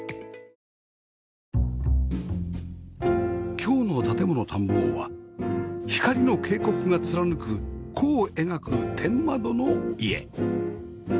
今日の『建もの探訪』は光の渓谷が貫く弧を描く天窓の家